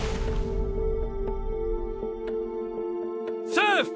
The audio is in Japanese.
セーフ！